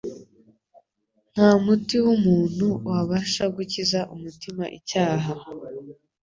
Nta muti w'umuntu wabasha gukiza umutima icyaha.